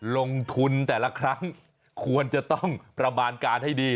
ลงทุนแต่ละครั้งควรจะต้องประมาณการให้ดี